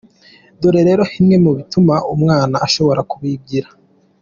Dore rero bimwe mu bituma umwana ashobora kuyigira.